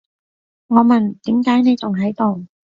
我問，點解你仲喺度？